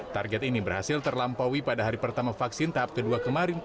target ini berhasil terlampaui pada hari pertama vaksin tahap kedua kemarin